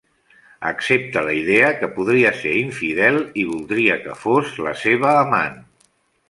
Accepta la idea que podria ser infidel i voldria que fos la seva amant.